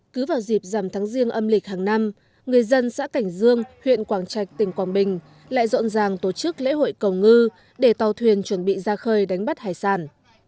cứ vào dịp giảm tháng riêng âm lịch hàng năm người dân xã cảnh dương huyện quảng trạch tỉnh quảng bình lại rộn ràng tổ chức lễ hội cầu ngư để tàu thuyền chuẩn bị ra khơi đánh bắt hải sản